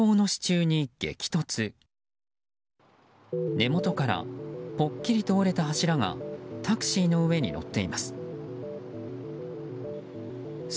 根元からぽっきりと折れた柱がタクシーの上に乗っています。